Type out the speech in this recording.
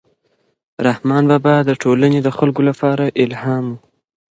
رحمان بابا د ټولنې د خلکو لپاره الهام و.